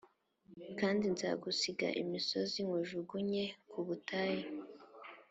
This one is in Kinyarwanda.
Kandi nzagusiga imusozi nkujugunye ku butayu